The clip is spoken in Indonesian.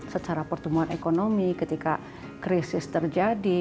secara pertumbuhan ekonomi ketika krisis terjadi